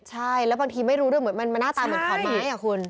ใช่แล้วบางทีไม่รู้ด้วยเหมือนมันหน้าตาเหมือนขอนไม้อ่ะคุณ